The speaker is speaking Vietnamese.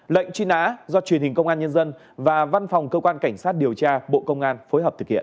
lệnh truy nã do truyền hình công an nhân dân và văn phòng cơ quan cảnh sát điều tra bộ công an phối hợp thực hiện